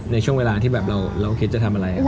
ในช่วงเวลาที่แบบเราคิดจะทำอะไร